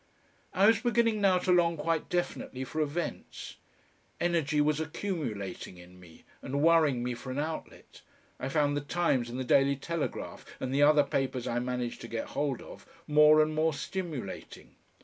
I was beginning now to long quite definitely for events. Energy was accumulating in me, and worrying me for an outlet. I found the TIMES and the DAILY TELEGRAPH and the other papers I managed to get hold of, more and more stimulating.